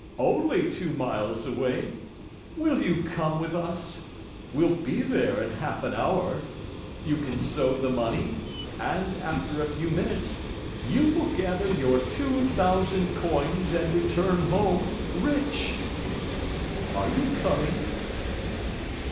"Only two miles away. Will you come with us? We'll be there in half an hour. You can sow the money, and, after a few minutes, you will gather your two thousand coins and return home rich. Are you coming?"